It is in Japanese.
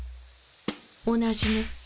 同じね。